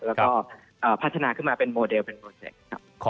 แล้วก็พัฒนาขึ้นมาเป็นโมเดลเป็นโปรเจคครับ